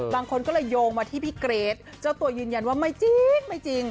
บางคนก็เลยโยงมาที่พี่เกรทเจ้าตัวยืนยันว่าไม่จริงไม่จริง